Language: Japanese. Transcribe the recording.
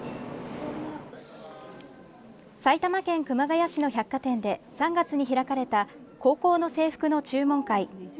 埼玉県熊谷市の百貨店で３月に開かれた高校の制服の注文会。